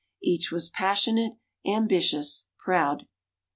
Each was passionate, ambitious, proud.